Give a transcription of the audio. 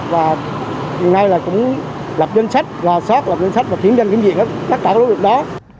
và hiện nay là cũng lập danh sách là sát lập danh sách và kiểm tranh kiểm diện tất cả các đối tượng đó